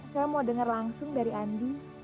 saya mau dengar langsung dari andi